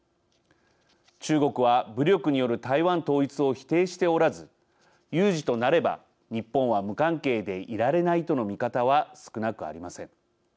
中国は、武力による台湾統一を否定しておらず、有事となれば日本は無関係でいられないとの見方は少なくありません。